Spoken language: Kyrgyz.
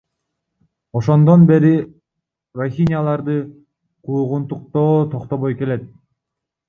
Ошондон бери рохиняларды куугунтуктоо токтобой келет.